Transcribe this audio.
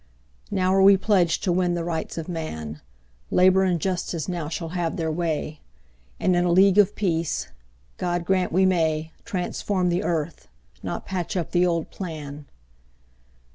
Now we are pledged to win the Rights of man ; Labour and Justice now shall have their way, And in a League of Peace God grant we may Transform the earth, not patch up the old plan.